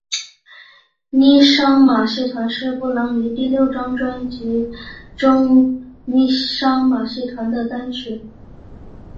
妮裳马戏团是布兰妮第六张专辑中妮裳马戏团的单曲。